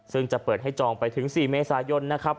ซึ่งจะเปิดให้จองไปถึง๔เมษายนนะครับ